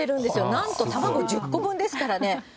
なんと卵１０個分ですからね。